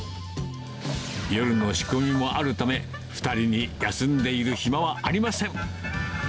夜の仕込みもあるため、２人に休んでいる暇はありません。